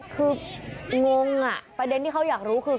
คืองงอ่ะประเด็นที่เขาอยากรู้คือ